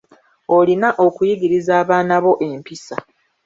Olina okuyigiriza abaana bo empisa.